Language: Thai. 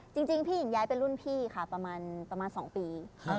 จริงพี่หญิงย้ายเป็นรุ่นพี่ค่ะประมาณ๒ปี